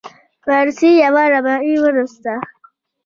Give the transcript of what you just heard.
فارسي یوه رباعي ولوستله.